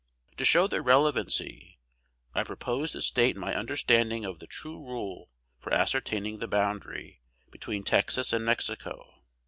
To show their relevancy, I propose to state my understanding of the true rule for ascertaining the boundary between Texas and Mexico.